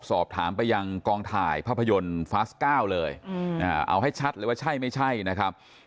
สอบถามไปยังกองถ่ายภาพยนตร์ฟาส๙เลยเอาให้ชัดเลยว่าใช่ไม่ใช่นะครับ